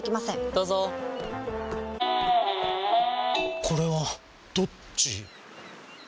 どうぞこれはどっち？